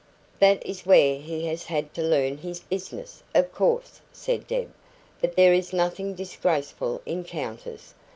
"That is where he has had to learn his business, of course," said Deb. "But there is nothing disgraceful in counters.